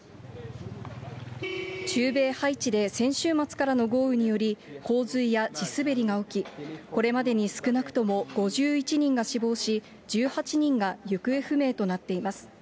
中米ハイチで先週末からの豪雨により、洪水や地滑りが起き、これまでに少なくとも５１人が死亡し、１８人が行方不明となっています。